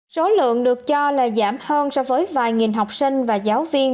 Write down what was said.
số lượng được cho là giảm hơn so với vài nghìn học sinh và giáo viên